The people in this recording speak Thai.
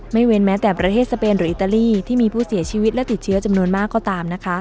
เว้นแม้แต่ประเทศสเปนหรืออิตาลีที่มีผู้เสียชีวิตและติดเชื้อจำนวนมากก็ตามนะคะ